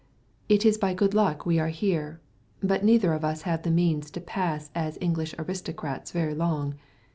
It is by good luck we are here, but neither of us have the means to pass as English aristocrats very long.